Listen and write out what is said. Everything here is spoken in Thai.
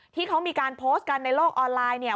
ที่เขามีการโพสต์กันในโลกออนไลน์เนี่ย